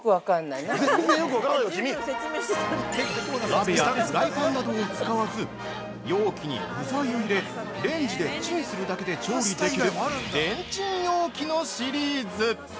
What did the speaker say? ◆鍋やフライパンなどを使わず容器に具材を入れ、レンジでチンするだけで調理できるレンチン容器のシリーズ。